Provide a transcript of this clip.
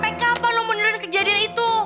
ih keren apaan